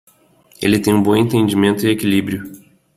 Ele tem um bom entendimento e equilíbrio